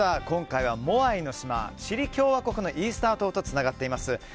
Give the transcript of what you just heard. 今回はモアイの島チリ共和国のイースター島とつながっています。